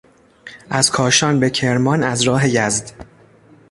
از کاشان به کرمان از راه یزد